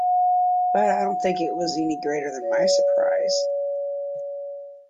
But I don't think it was any greater than my surprise.